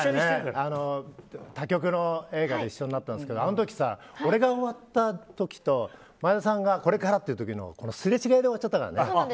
他局の映画で一緒になったんですけどあの時さ、俺が終わった時と前田さんがこれからっていう時のすれ違いで終わっちゃったからね。